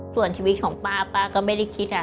ส่วนชีวิตของป้าป้าก็ไม่ได้คิดอ่ะ